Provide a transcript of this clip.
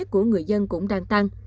của người dân cũng đang tăng